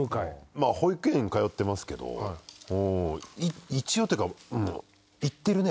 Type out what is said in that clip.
まあ保育園通ってますけど一応っていうか。